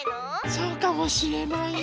そうかもしれないよ。